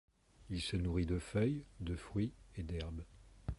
Il se nourrit de feuilles, de fruits et d’herbe.